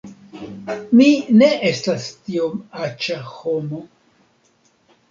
Mi ne estas tiom aĉa homo